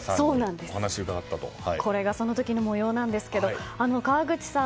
これがその時の模様なんですが川口さん